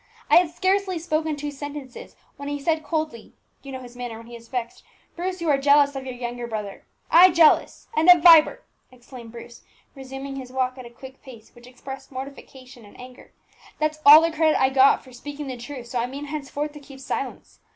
I had scarcely spoken two sentences, when he said coldly you know his manner when he is vexed 'Bruce, you are jealous of your younger brother.' I jealous! and of Vibert!" exclaimed Bruce, resuming his walk at a quick pace which expressed mortification and anger. "That's all the credit that I got for speaking the truth so I mean henceforth to keep silence.